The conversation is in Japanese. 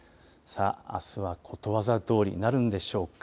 あすはことわざどおりになるんでしょうか。